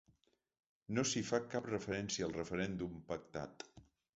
No s’hi fa cap referència al referèndum pactat.